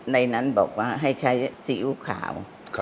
ในนั้นบอกว่าให้ใช้ซีอิ๊วขาว